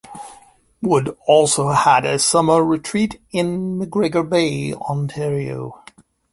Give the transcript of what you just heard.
Wood also had a summer retreat in McGregor Bay, Ontario.